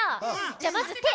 じゃあまずて。